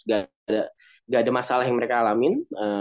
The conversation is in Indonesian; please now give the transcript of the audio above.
nggak ada masalah yang mereka alamin